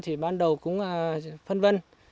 thì ban đầu cũng phân vân